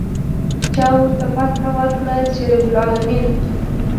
چا ورته فتحه ورکړه چې رب العلمين.